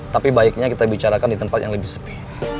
tapi baiknya kita bicarakan di tempat yang lebih sepi